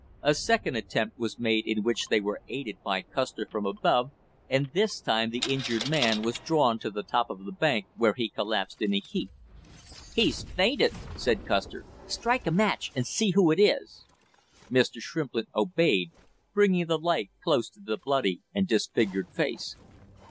A second attempt was made in which they were aided by Custer from above, and this time the injured man was drawn to the top of the bank, where he collapsed in a heap. "He's fainted!" said Custer. "Strike a match and see who it is!" Mr. Shrimplin obeyed, bringing the light close to the bloody and disfigured face.